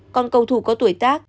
còn cầu thủ có tuổi tác